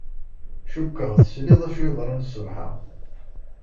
Cukkeɣ tesliḍ acu yeḍran ṣṣbeḥ-a.